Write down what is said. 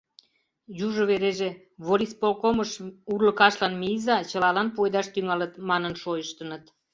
Южо вереже «Волисполкомыш урлыкашлан мийыза, чылалан пуэдаш тӱҥалыт», — манын шойыштыныт.